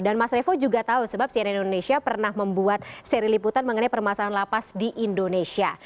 dan mas revo juga tahu sebab cnn indonesia pernah membuat seri liputan mengenai permasalahan lapas di indonesia